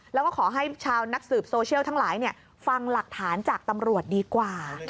แล้วก็ขอให้ชาวนักสืบโซเชียลทั้งหลายฟังหลักฐานจากตำรวจดีกว่า